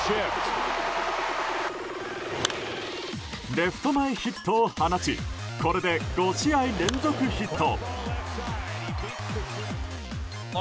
レフト前ヒットを放ちこれで５試合連続ヒット。